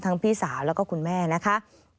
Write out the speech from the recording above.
พี่สาวแล้วก็คุณแม่นะคะ